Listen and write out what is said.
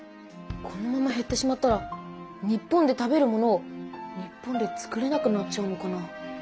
このままへってしまったら日本で食べるものを日本で作れなくなっちゃうのかな。